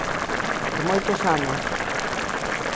Por moitos anos!